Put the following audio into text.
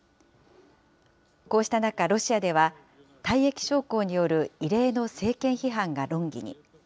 こうした中、ロシアでは、退役将校による異例の政権批判が論議に。